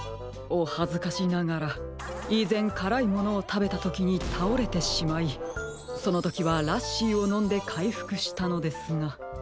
お恥ずかしながら以前辛いものを食べたときに倒れてしまいそのときはラッシーをのんで回復したのですが。